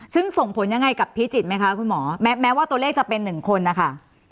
ซึ่งส่งผลยังไงกับพิจิตรไหมคะคุณหมอแม้ว่าตัวเลขจะเป็นหนึ่งคนนะคะ